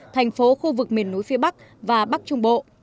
thành phố khu vực miền núi phía bắc và bắc trung bộ